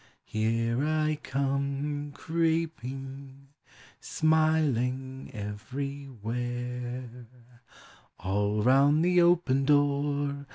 Here I come creeping, smiling everywhere; All round the open door.